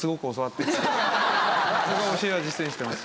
僕は教えは実践してます。